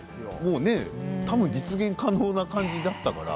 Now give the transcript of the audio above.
多分実現可能な感じだったから。